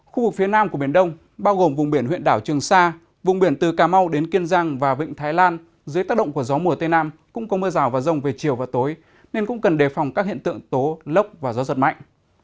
khu vực phía nam của biển đông bao gồm vùng biển huyện đảo trường sa vùng biển từ cà mau đến kiên giang và vịnh thái lan dưới tác động của gió mùa tây nam cũng có mưa rào và rông về chiều và tối nên cũng cần đề phòng các hiện tượng tố lốc và gió giật mạnh